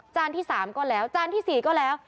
จานที่สามก็แล้วจานที่สี่ก็แล้ว